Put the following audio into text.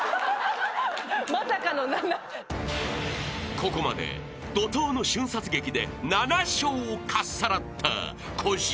［ここまで怒濤の瞬殺劇で７笑をかっさらった小島］